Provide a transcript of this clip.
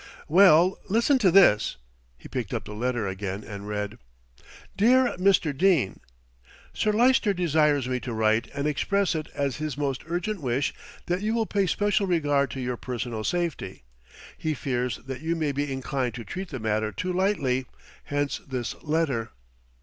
"Well, listen to this." He picked up the letter again and read: "DEAR MR. DENE, "Sir Lyster desires me to write and express it as his most urgent wish that you will pay special regard to your personal safety. He fears that you may be inclined to treat the matter too lightly, hence this letter.